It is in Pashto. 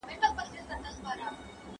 دښمن که دي د لوخو پړى وي، هم ئې مار بوله.